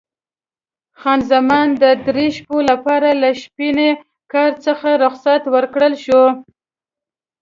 خان زمان د درې شپو لپاره له شپني کار څخه رخصت ورکړل شوه.